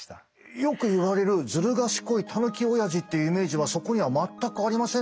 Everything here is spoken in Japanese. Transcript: よく言われるずる賢いタヌキおやじっていうイメージはそこには全くありませんね。